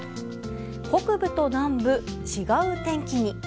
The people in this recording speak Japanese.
北部と南部、違う天気に。